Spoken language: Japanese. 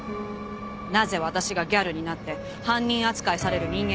なぜ私がギャルになって犯人扱いされる人間になったのか。